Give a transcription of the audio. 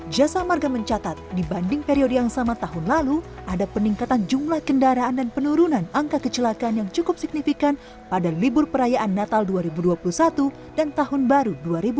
jasa marga mencatat dibanding periode yang sama tahun lalu ada peningkatan jumlah kendaraan dan penurunan angka kecelakaan yang cukup signifikan pada libur perayaan natal dua ribu dua puluh satu dan tahun baru dua ribu dua puluh